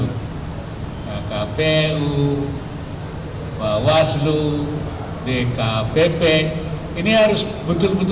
untuk tidak melakukan hal hal yang berbeda